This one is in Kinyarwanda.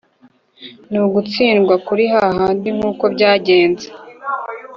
n ugutsindirwa kurihahandi nkuko byagenze